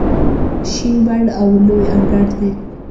شین بڼ او لوی انګړ لري.